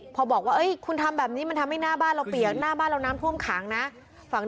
พอบอกว่าคุณทำแบบนี้มันทำให้หน้าบ้านเราเปียกหน้าบ้านเราน้ำท่วมขังนะ